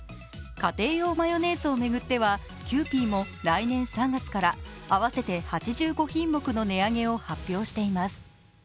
家庭用マヨネーズを巡ってはキユーピーも来年３月から合わせて８５品目の値上げを発表しています。